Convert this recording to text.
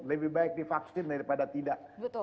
lebih baik divaksin daripada tidak